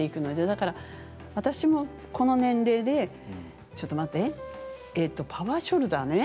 だから私も、この年齢でちょっと待って、えーっとパワーショルダーね？